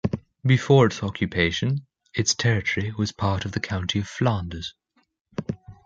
Before its occupation, its territory was part of the county of Flanders.